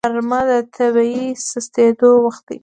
غرمه د طبیعي سستېدو وخت وي